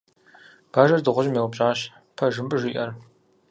Бажэр дыгъужьым еупщӏащ: - Пэж мыбы жиӏэр?